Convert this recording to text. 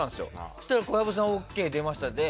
そうしたら小籔さんがＯＫ出ましたって。